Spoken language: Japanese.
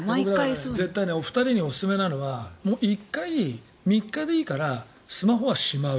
お二人におすすめなのが３日に１回でいいからスマホはしまう。